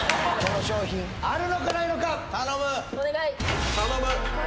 この商品あるのかないのか頼む頼む